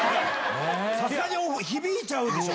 さすがに響いちゃうでしょ？